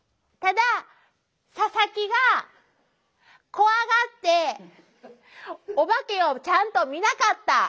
ただ佐々木が怖がってオバケをちゃんと見なかった。